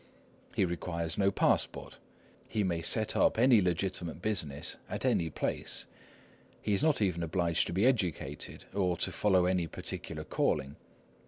He requires no passport. He may set up any legitimate business at any place. He is not even obliged to be educated, or to follow any particular calling.